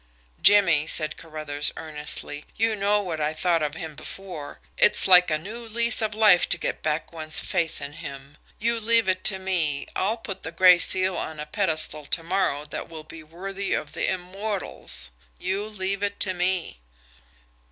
"Jimmie," said Carruthers earnestly. "You know what I thought of him before. It's like a new lease of life to get back one's faith in him. You leave it to me. I'll put the Gray Seal on a pedestal to morrow that will be worthy of the immortals you leave it to me."